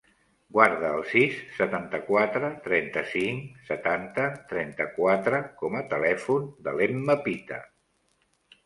Guarda el sis, setanta-quatre, trenta-cinc, setanta, trenta-quatre com a telèfon de l'Emma Pita.